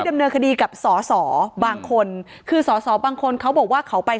ดำเนินคดีกับสอสอบางคนคือสอสอบางคนเขาบอกว่าเขาไป